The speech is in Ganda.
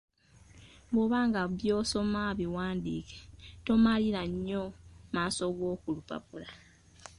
Bw'oba nga by'osoma biwandiike, tomalira nnyo maaso go ku lupapula.